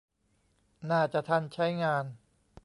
น่าจะทันใช้งาน